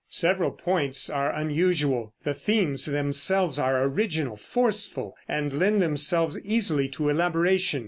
Several points are unusual. The themes themselves are original, forceful and lend themselves easily to elaboration.